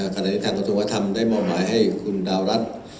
ขณะในทางการงานทรงวัฒนธรรมได้มอบหวายให้คุณดาวรัตน์